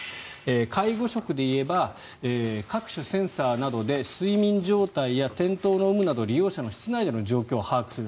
介護職でいえば各種センサーなどで睡眠状態や転倒の有無など利用者の室内での状況を把握する。